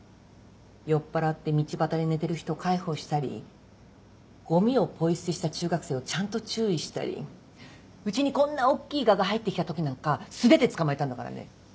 酔っ払って道端で寝てる人を介抱したりゴミをポイ捨てした中学生をちゃんと注意したりうちにこんな大っきい蛾が入ってきた時なんか素手で捕まえたんだからね。